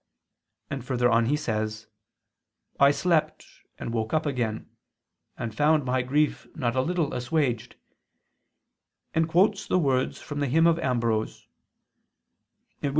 And further on, he says: "I slept, and woke up again, and found my grief not a little assuaged": and quotes the words from the hymn of Ambrose [*Cf.